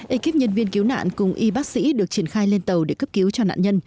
ekip nhân viên cứu nạn cùng y bác sĩ được triển khai lên tàu để cấp cứu cho nạn nhân